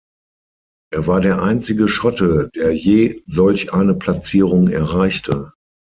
Er war der einzige Schotte, der je solch eine Platzierung erreichte.